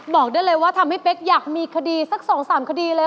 บอกเลยทำให้เพชรอยากมีขดีสัก๒๓เลย